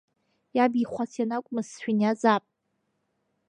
Иабихәац, ианакәымыз сшәыниазаап!